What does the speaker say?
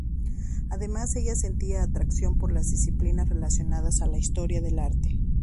Además ella sentía atracción por las disciplinas relacionadas a la historia del arte.